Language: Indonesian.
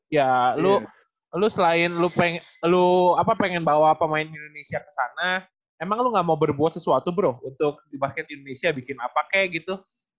ya lu lo selain lo pengen bawa pemain indonesia ke sana emang lo gak mau berbuat sesuatu bro untuk di basket indonesia bikin apa kayak gitu